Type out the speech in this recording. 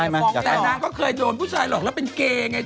แม่บังแต่นางเขาเคยโดนผู้ชายหลอกแล้วเป็นเก่ยไงนะ